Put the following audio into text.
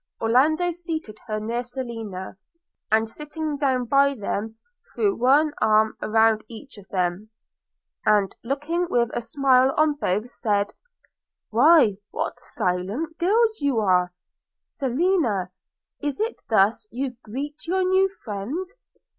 Orlando seated her near Selina, and, sitting down by them, threw one arm round each of them; and, looking with a smile on both, said, 'Why, what silent girls you are! – Selina! is it thus you greet your new friend?